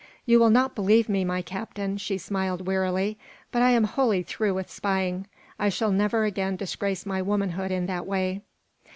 "You will not believe me, my Captain," she smiled, wearily, "but I am wholly through with spying. I shall never again disgrace my womanhood in that way."